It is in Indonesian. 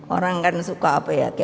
orang kan suka apa ya